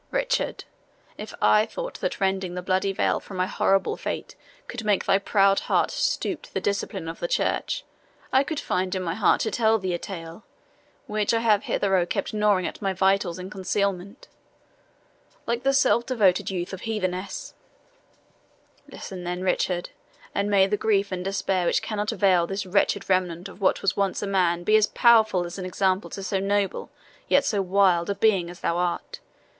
Richard, if I thought that rending the bloody veil from my horrible fate could make thy proud heart stoop to the discipline of the church, I could find in my heart to tell thee a tale, which I have hitherto kept gnawing at my vitals in concealment, like the self devoted youth of heathenesse. Listen, then, Richard, and may the grief and despair which cannot avail this wretched remnant of what was once a man be powerful as an example to so noble, yet so wild, a being as thou art!